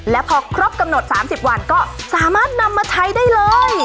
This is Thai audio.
และพอครบกำหนด๓๐วันก็สามารถนำมาใช้ได้เลย